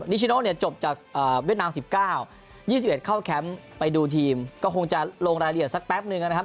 ชิโนเนี่ยจบจากเวียดนาม๑๙๒๑เข้าแคมป์ไปดูทีมก็คงจะลงรายละเอียดสักแป๊บนึงนะครับ